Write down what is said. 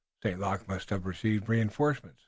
St. Luc must have received a reënforcement."